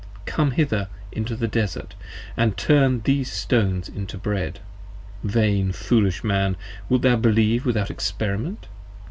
Come hither into the Desart & turn these stones to bread. Vain foolish Man! wilt thou believe without Experiment?